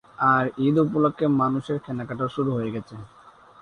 আর ঈদ উপলক্ষে মানুষের কেনাকাটাও শুরু হয়ে গেছে।